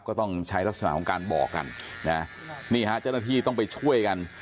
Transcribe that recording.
ก็ต้องใช้ลักษณะของการบอกกันนะนี่ฮะเจ้าหน้าที่ต้องไปช่วยกัน